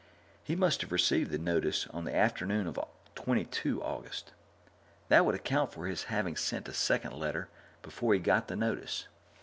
He must have received the notice on the afternoon of 22 August. That would account for his having sent a second letter before he got the notice.